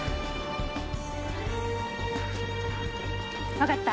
わかった？